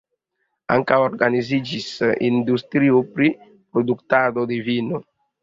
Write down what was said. Ankaŭ organiziĝis industrio pri produktado de vino.